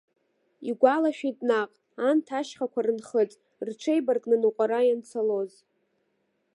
Игәалашәеит наҟ, анҭ ашьхақәа рынхыҵ, рҽебаркны ныҟәара ианцалоз.